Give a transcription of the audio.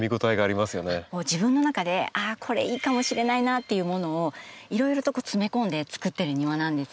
自分の中でああこれいいかもしれないな！っていうものをいろいろと詰め込んでつくってる庭なんですよ。